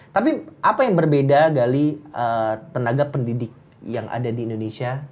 tapi apa yang berbeda gali tenaga pendidik yang ada di indonesia